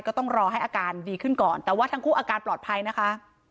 ก็ต้องรอให้อาการดีขึ้นก่อนแต่ว่าทั้งคู่อาการปลอดภัยนะคะ